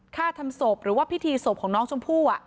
ฆ่าทำศพหรือว่าพิธีศพของน้องชมพู่